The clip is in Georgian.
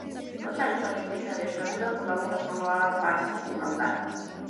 როცა ისმაილი შვეიცარიაში გადიოდა მკურნალობას მამა მას სტუმრობდა.